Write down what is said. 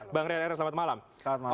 bang rian ernest selamat malam selamat malam